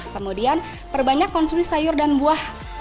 kemudian perbanyak konsumsi sayur dan buah